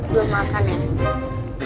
belum makan ya